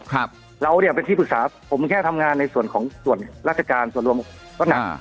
เราเนี่ยเป็นที่ปรึกษาผมแค่ทำงานในส่วนของส่วนราชการส่วนรวมก็หนักอ่า